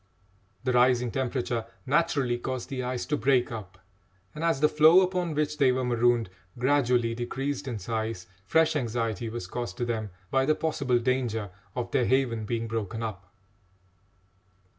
The rising temperature naturally caused the ice to break up, and as the floe upon which they were marooned gradually decreased in size, fresh anxiety was caused to them by the possible danger of their haven being broken up.